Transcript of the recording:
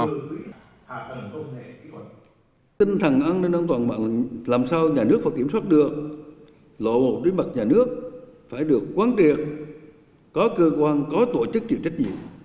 làm sao nhà nước phải kiểm soát được lộ bộ đối mặt nhà nước phải được quán triệt có cơ quan có tổ chức chịu trách nhiệm